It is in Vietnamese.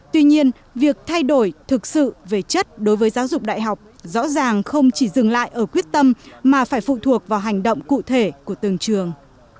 tuy nhiên việc thay đổi thực sự về chất đối với giáo dục đại học rõ ràng không chỉ dừng lại ở quyết tâm mà phải phụ thuộc vào hành động cụ thể của từng trường